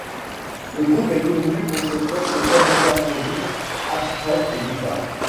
Le groupe est connu pour ses textes très métaphoriques, abstraits et bizarres.